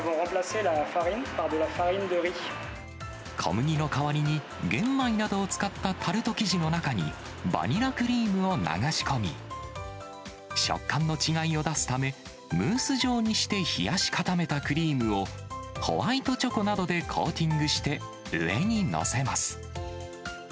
小麦の代わりに玄米などを使ったタルト生地の中にバニラクリームを流し込み、食感の違いを出すため、ムース状にして冷やし固めたクリームを、ホワイトチョコなどでコーティングして上に載せます。